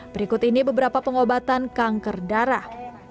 berikut ini beberapa pengobatan kanker darah